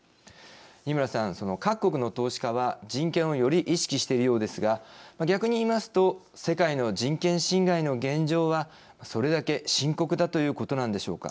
二村さん、各国の投資家は人権をより意識しているようですが逆にいいますと世界の中で人権侵害の現状はそれだけ深刻だということなんでしょうか。